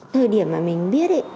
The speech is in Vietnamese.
thời điểm mà mình biết ấy